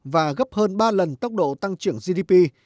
và gấp hơn ba lần tốc độ tăng trưởng gdp